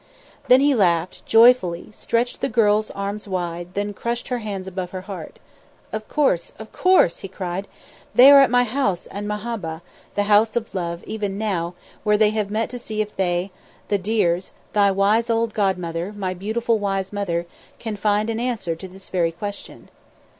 Then he laughed, joyfully, stretched the girl's arms wide, then crushed her hands above her heart. "Of course! of course!" he cried. "They are at my House 'an Mahabbha, the House of Love, even now, where they have met to see if they, the dears, thy wise old godmother, my beautiful wise mother, can find an answer to this very question."